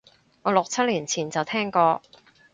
我六七年前就聽過